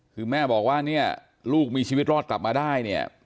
คือแม่บอกว่าเนี่ยลูกมีชีวิตรอดกลับมาได้เนี่ย